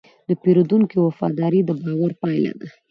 د پیرودونکي وفاداري د باور پايله ده.